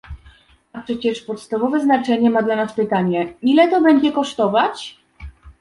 A przecież podstawowe znaczenie ma dla nas pytanie, ile to będzie kosztować?